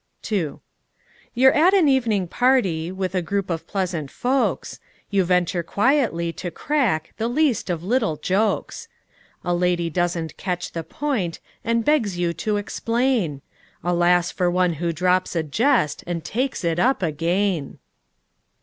II You're at an evening party, with A group of pleasant folks, You venture quietly to crack The least of little jokes: A lady doesn't catch the point, And begs you to explain, Alas for one who drops a jest And takes it up again!